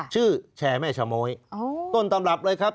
ชื่อแชร์แม่ชะโมยต้นตำรับเลยครับ